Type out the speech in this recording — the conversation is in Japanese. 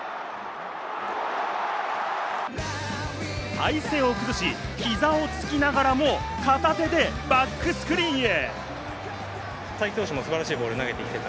体勢を崩し、膝をつきながらも片手でバックスクリーンへ。